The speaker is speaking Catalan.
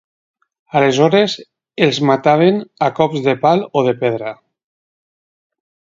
Aleshores els mataven a cops de pal o de pedra.